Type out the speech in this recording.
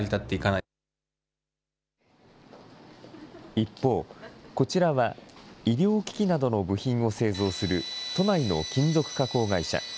一方、こちらは、医療機器などの部品を製造する都内の金属加工会社。